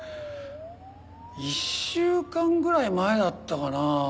１週間ぐらい前だったかな。